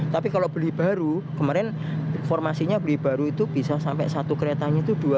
tapi kalau beli baru kemarin informasinya beli baru itu bisa sampai satu keretanya itu dua puluh miliar